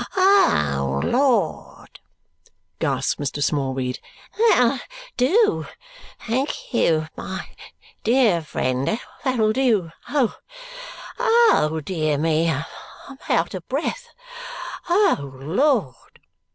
"O Lord!" gasps Mr. Smallweed. "That'll do. Thank you, my dear friend, that'll do. Oh, dear me, I'm out of breath. O Lord!"